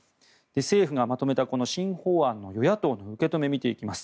政府がまとめた新法案の与野党の受け止めを見ていきます。